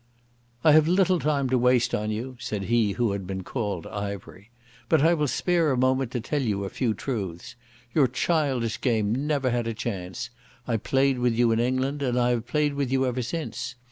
"I have little time to waste on you," said he who had been called Ivery. "But I will spare a moment to tell you a few truths. Your childish game never had a chance. I played with you in England and I have played with you ever since.